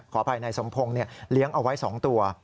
อภัยนายสมพงศ์เลี้ยงเอาไว้๒ตัว